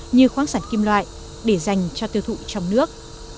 như khoáng sản kim loại để dành cho tiêu thụ trong nước